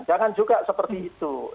jangan juga seperti itu